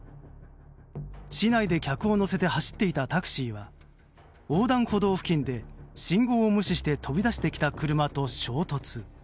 市内で客を乗せて走っていたタクシーは横断歩道付近で信号を無視して飛び出してきた車と衝突。